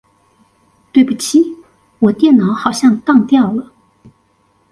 對不起我電腦好像當掉了